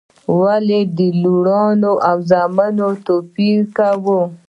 ولي د لوڼو او زامنو توپیر وکو؟